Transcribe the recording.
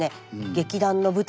劇団の舞台